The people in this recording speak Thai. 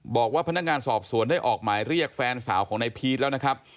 บอกว่าพนักงานสอบสวนได้ออกหมายเรียกแฟนสาวของนายพีชแล้วนะครับ